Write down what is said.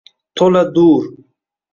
to’la dur.